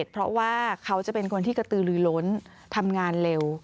เพราะว่าเขาจะเป็นคนที่กระตือลือล้นทำงานเร็ว